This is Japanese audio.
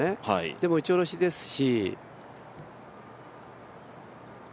でも打ち下ろしですし。